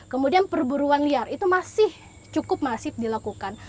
kemudian perburuan liar itu masih cukup masif dilakukan